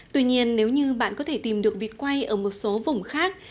tuy nhiên nếu như bạn có thể tìm được vịt quay ở một số vùng khác